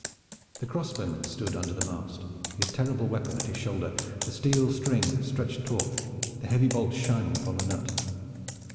The crossbowman stood under the mast, his terrible weapon at his shoulder, the steel string stretched taut, the heavy bolt shining upon the nut.